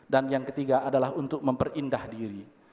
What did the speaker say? dan yang ketiga adalah untuk memperindah diri